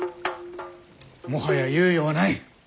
もはや猶予はない。